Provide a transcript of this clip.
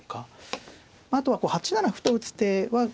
あとは８七歩と打つ手は。